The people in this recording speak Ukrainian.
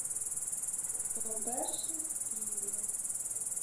— По перших півнях.